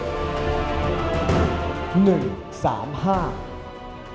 ๓๓๐ครับนางสาวปริชาธิบุญยืน